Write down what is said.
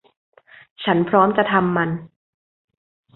ฉันพร้อมจะทำมัน